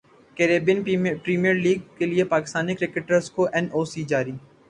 Caribbean premiere league کیلئے Pakistani cricketers کو N O C جاری